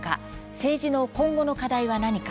政治の今後の課題は何か。